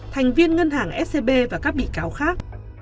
thành viên ngân hàng scb và các bị cáo khác